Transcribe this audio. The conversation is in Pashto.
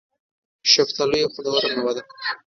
شفتالو یو خوندوره مېوه ده